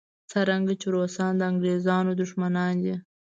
څرنګه چې روسان د انګریزانو دښمنان دي.